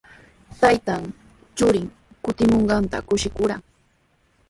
Taytan churin kutimunqanta kushikurqan.